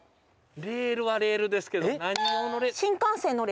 レールはレールですけど何用の。